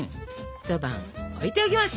一晩置いておきます！